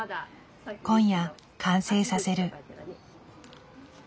今夜完成させる。